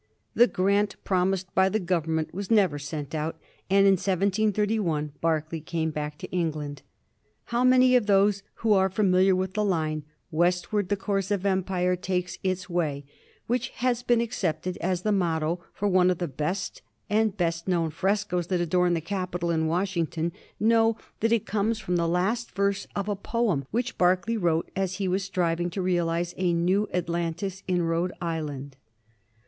The grant promised by the Government was never sent out, and in 1731 Berkeley came back to England. How many of those who are familiar with the line, ^' Westward the course of empire takes its way," which has been ac cepted as the motto for one of the best and best known frescos that adorn the Capitol in Washington, know that it comes from the last verse of a poem which Berkeley wrote as he was striving to realize a New Atlantis in Rhode Island